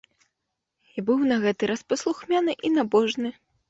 Я быў на гэты раз паслухмяны і набожны.